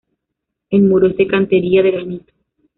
El muro es de cantería de granito.